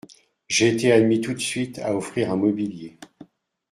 J’ai été admis tout de suite… à offrir un mobilier…